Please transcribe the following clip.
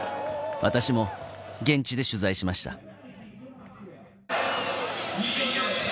私も現地で取材しました。